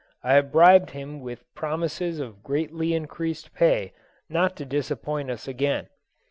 I have bribed him with promises of greatly increased pay not to disappoint us again.